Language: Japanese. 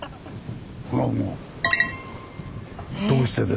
これはもうどうしてですか？